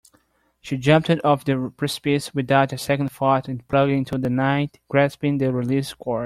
She jumped off the precipice without a second thought and plunged into the night, grasping the release cord.